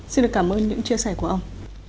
xin được cảm ơn những chia sẻ của ông